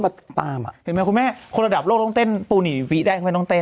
เห็นไหมครูแม่คนระดับต้องเต้นปูหนีอีบแทบต้องเต้น